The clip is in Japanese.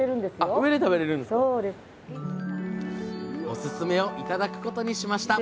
おすすめを頂くことにしました！